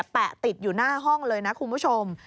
ติดอยู่หน้าห้องเลยนะคุณผู้ชม